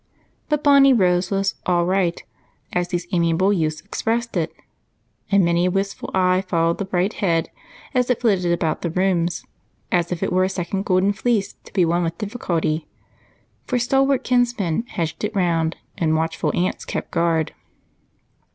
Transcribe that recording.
But bonny Rose was "all right," as these amiable youths expressed it, and many a wistful eye followed the bright head as it flitted about the rooms as if it were a second Golden Fleece to be won with difficulty, for stalwart kinsmen hedged it round, and watchful aunts kept guard.